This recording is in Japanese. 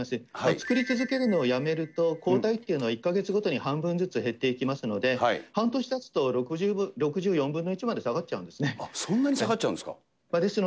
作り続けるのをやめると、抗体っていうのは１か月ごとに半分ずつ減っていきますので、半年たつと６４分の１まで下がっちゃうんですね。